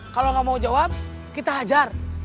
kalau nggak mau jawab kita hajar